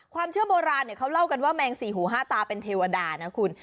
เชื่อโบราณเขาเล่ากันว่าแมงสี่หูห้าตาเป็นเทวดานะคุณ